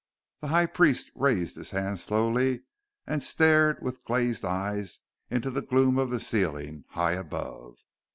The High Priest raised his hands slowly, and stared with glazed eyes into the gloom of the ceiling, high above.